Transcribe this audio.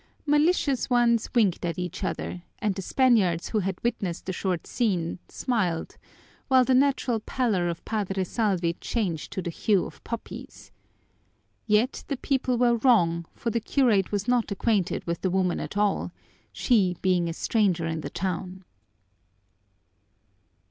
Malicious ones winked at each other, and the Spaniards who had witnessed the short scene smiled, while the natural pallor of Padre Salvi changed to the hue of poppies. Yet the people were wrong, for the curate was not acquainted with the woman at all, she being a stranger in the town.